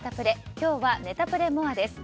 今日はネタプレＭＯＲＥです。